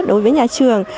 đối với nhà trường